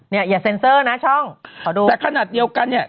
เดี๋ยวอืมเนี่ยอย่านะช่องขอดูแต่ขนาดเดียวกันเนี่ย